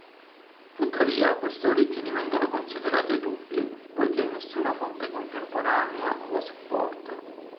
Tuttavia queste origini vengono considerate dubbie poiché nessuna fonte contemporanea la supporta.